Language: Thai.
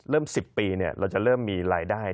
เริ่ม๑๐ปีเนี่ยเราจะเริ่มมีรายได้